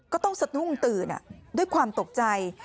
ก็ต้องสะดุ้งตื่นด้วยความตกใจ